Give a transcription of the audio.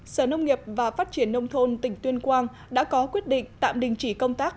sở nông nghiệp và phát triển nông thôn tỉnh tuyên quang đã có quyết định tạm đình chỉ công tác